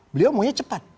beliau maunya cepat